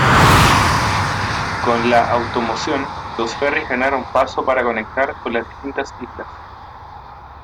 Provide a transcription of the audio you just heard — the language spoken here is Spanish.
Con la automoción, los ferries ganaron paso para conectar con las distintas islas.